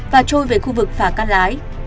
và trôi về khu vực phả cát rái